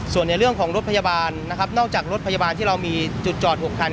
ส่วนในเรื่องของรถพยาบาลนะครับนอกจากรถพยาบาลที่เรามีจุดจอด๖คัน